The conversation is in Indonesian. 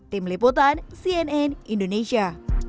tim liputan cnn indonesia